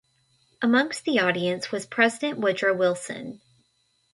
Amongst the audience was President Woodrow Wilson.